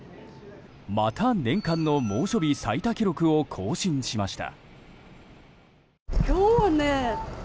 また年間の猛暑日最多記録を更新しました。